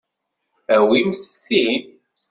Awimt ti.